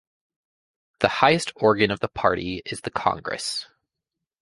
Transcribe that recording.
The highest organ of the party is the congress.